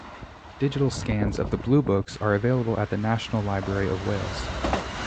Digital scans of the Blue Books are available at the National Library of Wales.